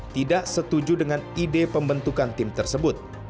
tidak setuju dengan ide pembentukan tim tersebut